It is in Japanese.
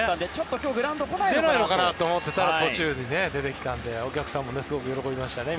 グラウンド来ないのかなと思ってたら途中で出てきたのでお客さんも喜びましたね。